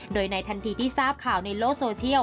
โดยในทันทีที่ทราบข่าวในโลกโซเชียล